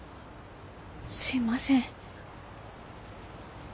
すいません。